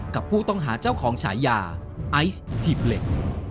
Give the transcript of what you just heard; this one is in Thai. กับผู้ต้องหาเจ้าของฉายาไอซ์หีบเหล็ก